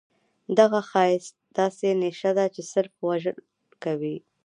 دغه سياست داسې نيشه ده چې صرف وژل کوي.